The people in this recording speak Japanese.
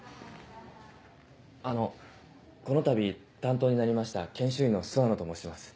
あのこのたび担当になりました研修医の諏訪野と申します。